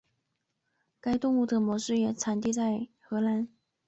该物种的模式产地在荷兰。